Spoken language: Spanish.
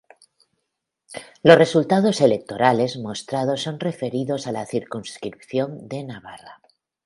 Los resultados electorales mostrados son referidos a la circunscripción de Navarra.